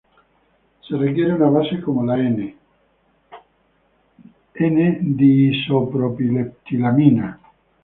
Se requiere una base como la "N","N"-diisopropiletilamina.